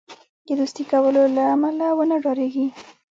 د دوستی کولو له امله ونه ډاریږي.